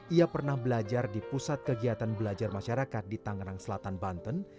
ia pernah belajar di pusat kegiatan belajar masyarakat di tangerang selatan banten